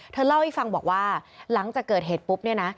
เธอเล่าให้ฟังบอกว่าหลังจากเกิดเหตุปุ๊บเนี่ยนะ